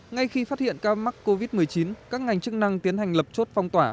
ngay khi phát hiện ca mắc covid một mươi chín các ngành chức năng tiến hành lập chốt phong tỏa